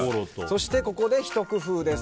そしてここでひと工夫です。